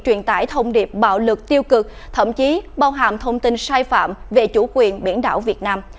truyền tải thông điệp bạo lực tiêu cực thậm chí bao hàm thông tin sai phạm về chủ quyền biển đảo việt nam